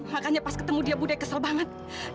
makanya pas ketemu dia budaya kesel banget